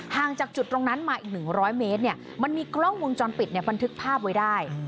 ห่างจากจุดตรงนั้นมาอีกหนึ่งร้อยเมตรเนี่ยมันมีกล้องวงจรปิดเนี่ยมันทึกภาพไว้ได้